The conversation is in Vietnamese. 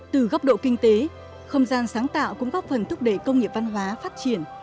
từ góc độ kinh tế không gian sáng tạo cũng góp phần thúc đẩy công nghiệp văn hóa phát triển